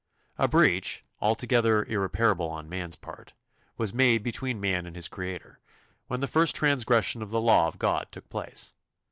A breach, altogether irreparable on man's part, was made between man and his Creator when the first transgression of the law of God took place.